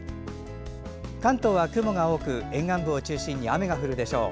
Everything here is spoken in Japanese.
関東は雲が多く、沿岸部を中心に雨が降るでしょう。